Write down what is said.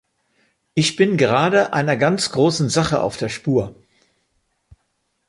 Ich bin gerade einer ganz großen Sache auf der Spur.